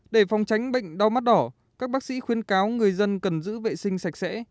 để phòng tránh bệnh đau mắt đỏ các bác sĩ khuyên cáo người dân cần giữ vệ sinh sạch sẽ